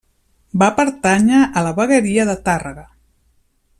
Va pertànyer a la vegueria de Tàrrega.